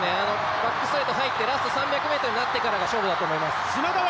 バックストレート入ってラスト３００ｍになってからが勝負だと思います